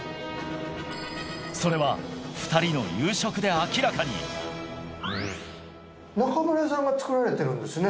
それは２人の夕食で明らかに中村さんが作られてるんですね